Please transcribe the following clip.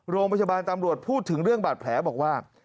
โรงพยาบาลตำรวจพูดถึงเรื่องบาดแผลบอกว่า